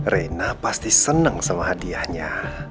reina pasti senang sama hadiahnya